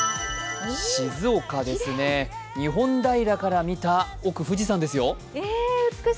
静岡ですね、日本平から見た奥、富士山ですよ。